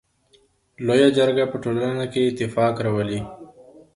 لويه جرګه په ټولنه کي اتفاق راولي.